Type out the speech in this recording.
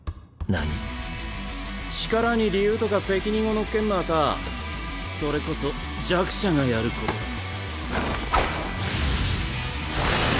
呪術に理由とか責任を乗っけんのはさそれこそ弱者がやることだろ。